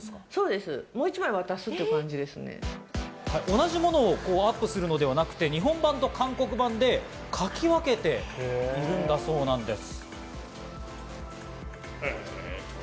同じものをアップするのではなくて、日本版と韓国版で描き分けているんだそうなんです。